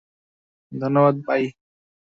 ধন্যবাদ, বাই!